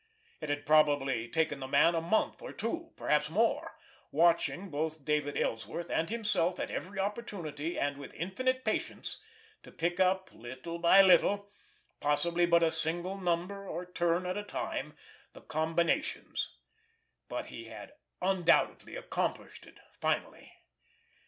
It had probably taken the man a month or two, perhaps more, watching both David Ellsworth and himself at every opportunity and with infinite patience, to pick up little by little, possibly but a single number or turn at a time, the combinations—but he had undoubtedly accomplished it finally.